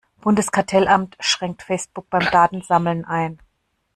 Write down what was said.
Bundeskartellamt schränkt Facebook beim Datensammeln ein.